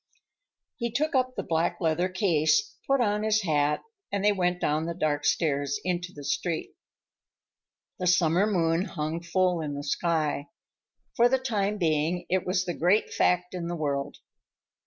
He took up a black leather case, put on his hat, and they went down the dark stairs into the street. The summer moon hung full in the sky. For the time being, it was the great fact in the world.